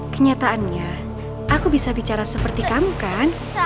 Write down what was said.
kenyataannya aku bisa bicara seperti kamu kan